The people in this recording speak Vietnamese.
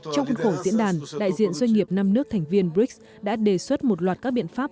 trong khuôn khổ diễn đàn đại diện doanh nghiệp năm nước thành viên brics đã đề xuất một loạt các biện pháp